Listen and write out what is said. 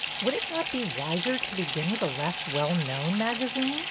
'' Would it not be wiser to begin with a less well known magazine